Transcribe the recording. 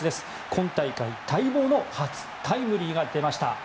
今回待望の初タイムリーが出ました。